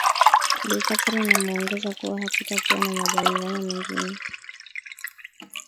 bi catherine ameongeza kuwa hakutakuwa na majadiliano mengine